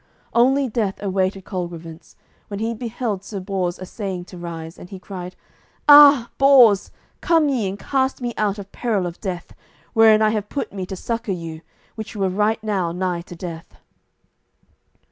Only death awaited Colgrevance, when he beheld Sir Bors assaying to rise, and he cried, "Ah, Bors, come ye and cast me out of peril of death, wherein I have put me to succour you, which were right now nigh to death."